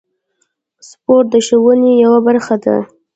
سپورت د ښوونې یوه برخه ده.